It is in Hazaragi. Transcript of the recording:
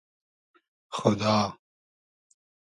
خودا